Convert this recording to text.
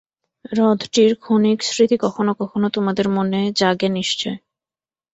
হ্রদটির ক্ষণিক স্মৃতি কখনও কখনও তোমাদের মনে জাগে নিশ্চয়।